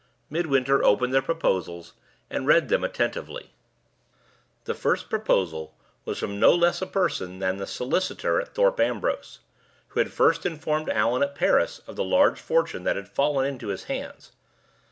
Midwinter opened the proposals, and read them attentively. The first proposal was from no less a person than the solicitor at Thorpe Ambrose, who had first informed Allan at Paris of the large fortune that had fallen into his hands.